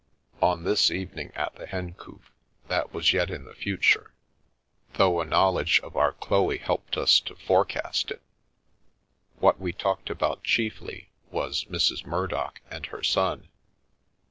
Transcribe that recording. On this evening at the Hencoop that was yet in the future — though a knowledge of our Chloe helped us to forecast it — what we talked about chiefly was Mrs. Murdock and her son.